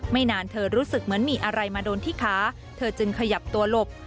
นานเธอรู้สึกเหมือนมีอะไรมาโดนที่ขาเธอจึงขยับตัวหลบ